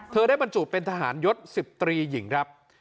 ได้บรรจุเป็นทหารยศ๑๐ตรีหญิงครับ